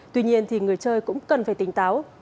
tuy nhiên người chơi cũng cần phải tỉnh táo